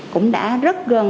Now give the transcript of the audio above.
cũng đã rất gần